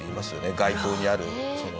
街頭にある。